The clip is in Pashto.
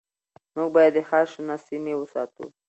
موږ باید د ښار شنه سیمې وساتو